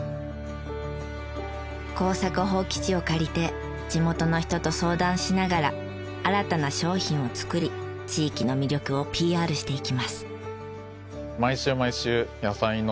耕作放棄地を借りて地元の人と相談しながら新たな商品を作り地域の魅力をＰＲしていきます。